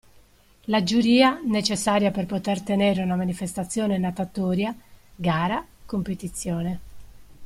La giuria, necessaria per poter tenere una manifestazione natatoria (gara, competizione, …).